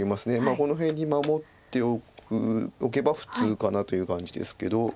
この辺に守っておけば普通かなという感じですけど。